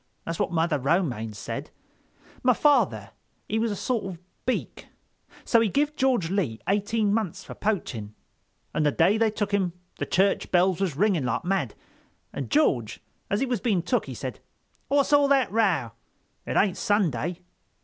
That's what Mother Romaine said—my father he was a sort of Beak, so he give George Lee eighteen months for poaching. An' the day they took him the church bells was ringing like mad, and George, as he was being took, he said: 'What's all that row? It ain't Sunday.